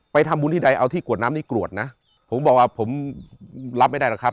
ทำบุญที่ใดเอาที่กรวดน้ำนี้กรวดนะผมบอกว่าผมรับไม่ได้หรอกครับ